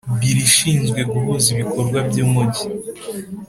Biro ishinzwe guhuza ibikorwa by’Umujyi